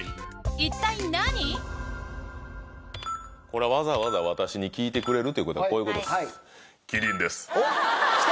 これわざわざ私に聞いてくれるということはこういうことです。